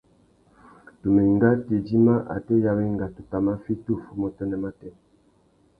Tu mà enga tu idjima atê ya wenga, tu tà mà fiti uffuma utênê matê.